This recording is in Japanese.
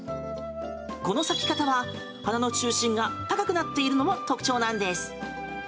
この咲き方は花の中心が高くなっているのも特徴なんです。